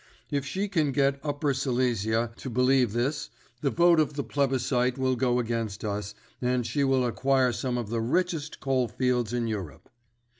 If she can get Upper Silesia to believe this, the vote of the plebiscite will go against us and she will acquire some of the richest coal fields in Europe.